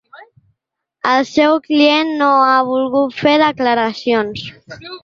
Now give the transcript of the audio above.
El seu client no ha volgut fer declaracions.